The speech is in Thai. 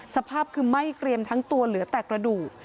สภาพคือไหม้เกรียมทั้งตัวเหลือแต่กระดูก